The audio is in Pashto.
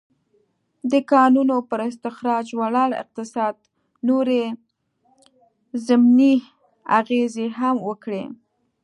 د کانونو پر استخراج ولاړ اقتصاد نورې ضمني اغېزې هم وکړې.